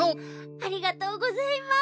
ありがとうございます！